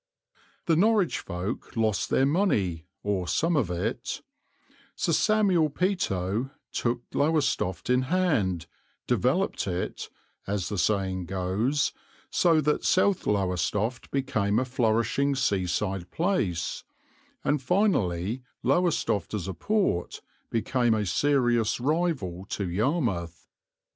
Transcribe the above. _ The Norwich folk lost their money, or some of it; Sir Samuel Peto took Lowestoft in hand, "developed" it, as the saying goes, so that South Lowestoft became a flourishing seaside place; and finally Lowestoft as a port became a serious rival to Yarmouth.